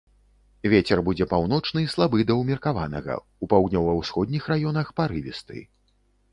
Вецер будзе паўночны слабы да ўмеркаванага, у паўднёва-ўсходніх раёнах парывісты.